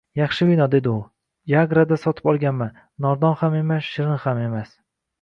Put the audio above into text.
Yaxshi vino, – dedi u. – Yagrada sotib olganman. Nordon ham emas, shirin ham emas.